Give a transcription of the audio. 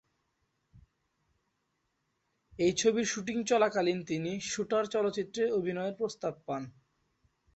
এই ছবির শুটিং চলাকালীন তিনি "শুটার" চলচ্চিত্রে অভিনয়ের প্রস্তাব পান।